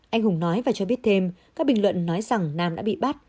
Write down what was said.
anh hùng nói và cho biết thêm các bình luận nói rằng nam đã bị bắt